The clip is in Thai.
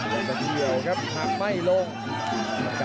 ยาวสนุกครับหากไม่ลง